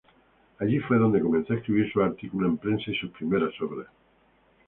Allí fue donde comenzó a escribir sus artículos en prensa y sus primeras obras.